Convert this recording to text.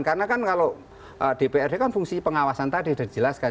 karena kan kalau dprd kan fungsi pengawasan tadi sudah dijelaskan